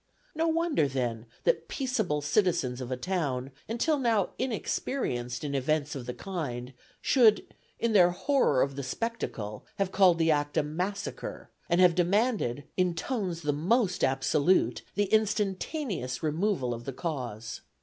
No wonder, then, that peaceable citizens of a town, until now inexperienced in events of the kind, should, in their horror of the spectacle, have called the act a massacre, and have demanded, in tones the most absolute, the instantaneous removal of the cause.